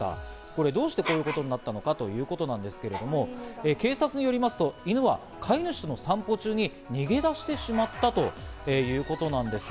これ、どうしてこういうことになったのかということなんですけれども、警察によりますと、犬は飼い主との散歩中に逃げ出してしまったということなんです。